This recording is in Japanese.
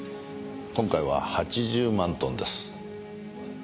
今回は８０万トンです。